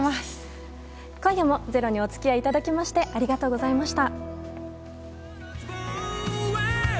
今週も「ｚｅｒｏ」にお付き合いいただきましてありがとうございました。